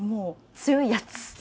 強いやつ。